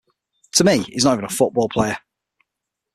To me he's not even a football player.